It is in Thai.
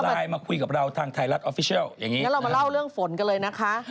งั้นเรามาเล่าเรื่องฝนกันเลยนะคะ